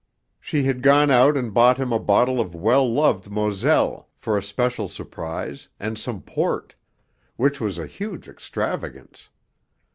She had gone out and bought him a bottle of well loved Moselle, for a special surprise, and some port; which was a huge extravagance.